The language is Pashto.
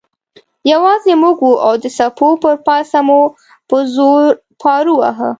یوازې موږ وو او د څپو پر پاسه مو په زور پارو واهه.